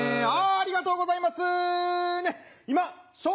ありがとうございます。